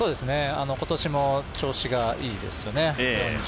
今年も調子がいいですね。